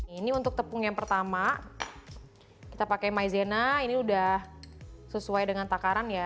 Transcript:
ini untuk tepung yang pertama kita pakai maizena ini udah sesuai dengan takaran ya